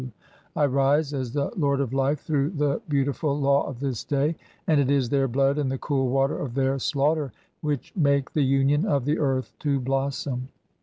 I rise as the Lord of Life through the beautiful law of "this day and it is their blood and the cool water of [their] "slaughter (26) which make the union of the earth to blossom.